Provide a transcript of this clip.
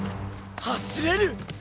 走れる！